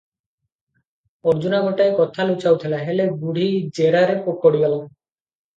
ଅର୍ଜୁନା ଗୋଟାଏ କଥା ଲୁଚାଉଥିଲା - ହେଲେ, ବୁଢ଼ୀ ଜେରାରେ ପଡ଼ିଗଲା ।